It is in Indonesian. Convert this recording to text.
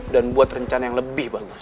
dan buat rencana yang lebih banget